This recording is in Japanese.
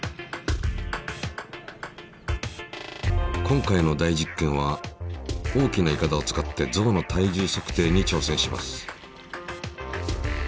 今回の大実験は大きないかだを使って象の体重測定に挑戦します。